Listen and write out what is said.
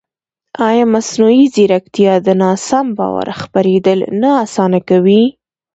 ایا مصنوعي ځیرکتیا د ناسم باور خپرېدل نه اسانه کوي؟